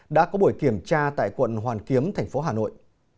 đã có buổi kiểm tra tại quận hoàn kiếm thành phố hà nội